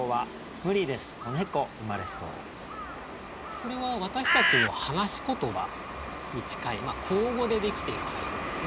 これは私たちの話し言葉に近い口語でできている俳句ですね。